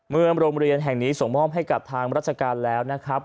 โรงเรียนแห่งนี้ส่งมอบให้กับทางราชการแล้วนะครับ